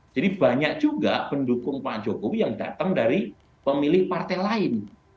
banyak juga pendukung pak jokowi yang datang dari pemilih partai lain